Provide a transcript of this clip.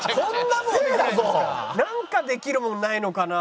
なんかできるものないのかな？